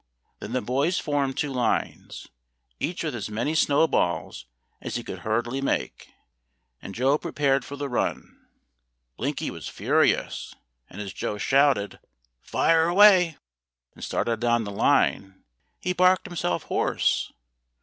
Then the boys formed two lines, each with as many snow balls as he could hurriedly make, and Joe prepared for the run. Blinky was furious, and as Joe shouted, "Fire away!" and started down the line, he barked himself hoarse.